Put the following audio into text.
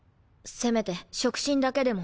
せめて触診だけでも。